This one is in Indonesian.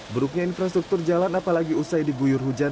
buruknya infrastruktur jalan apalagi usai diguyur hujan